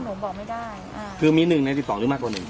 บอกไม่ได้อ่าคือมีหนึ่งในสิบสองหรือมากกว่าหนึ่ง